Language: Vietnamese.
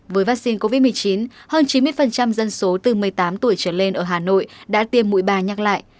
với vaccine covid một mươi chín hơn chín mươi dân số từ một mươi tám tuổi trở lên ở hà nội đã tiêm mũi ba nhắc lại